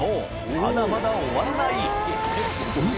まだまだ終わらない森川）